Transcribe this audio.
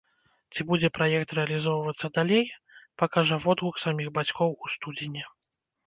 Ці будзе праект рэалізоўвацца далей, пакажа водгук саміх бацькоў у студзені.